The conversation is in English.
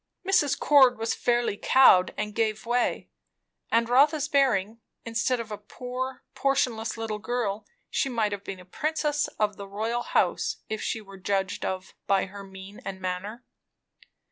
Mrs. Cord was fairly cowed, and gave way. And Rotha's bearing; instead of a poor, portionless little girl, she might have been a princess of the house royal, if she were judged of by her mien and manner.